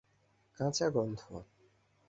কাঁচা গন্ধ?